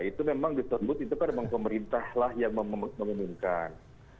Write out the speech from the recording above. itu memang diterbut itu kan memang pemerintahlah yang mengumumkan